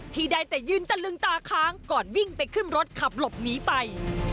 ที่ได้แต่ยืนตะลึงตาค้างก่อนวิ่งไปขึ้นรถขับหลบหนีไป